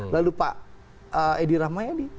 lalu pak edi rahmayadi